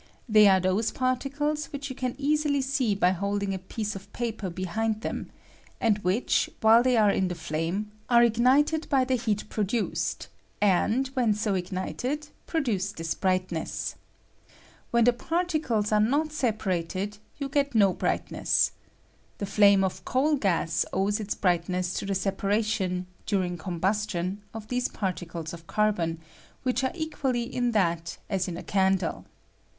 They particles which you can easily see by holding a piece of paper behind them, and i des of ci ^^L &re those ^^B' holding J w LUlflNOSITT OF COAL GAS FLAME. whicJi, while they are in the flame, are ignited by the heat produced, and, when 30 ignited, produce this brightness. When tie particles are not separated you get no brightness. The flame of coal gaa owes its brightness to the separation, during combustion, of these parti cles of carhon, which are eqnaUy in that as in a candle.